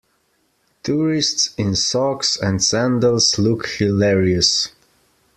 Tourists in socks and sandals look hilarious.